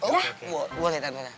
oh boleh tante